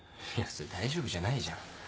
いやそれ大丈夫じゃないじゃん。